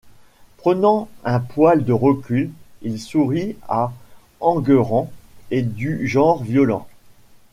Prenant un poil de recul, il sourit à Enguerrand et Du genre violent.